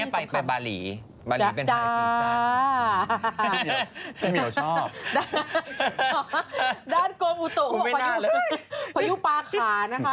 พายุปลาขานะคะ